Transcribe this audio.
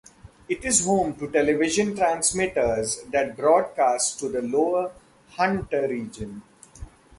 It is home to television transmitters that broadcast to the lower Hunter region.